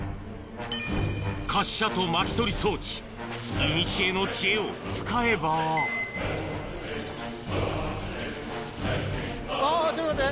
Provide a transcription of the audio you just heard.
滑車と巻き取り装置いにしえの知恵を使えばあぁちょっと待って。